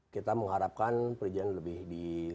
kita mengharapkan perizinan lebih di